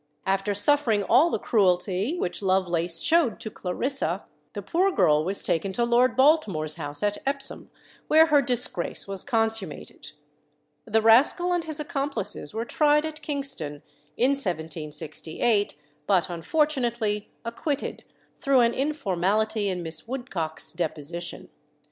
After suffering all the cruelty which Lovelace showed to Clarissa, the poor girl was taken to Lord Baltimore's house at Epsom, where her disgrace was consummated. The rascal and his accomplices were tried at Kingston in 1768, but unfortunately acquitted through an informality in Miss Woodcock's deposition.